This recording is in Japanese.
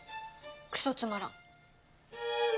クソつまらん。